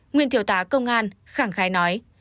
nguyên thiếu tá công an khẳng khai nói